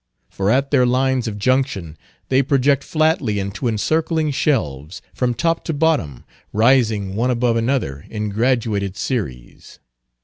For at their lines of junction they project flatly into encircling shelves, from top to bottom, rising one above another in graduated series.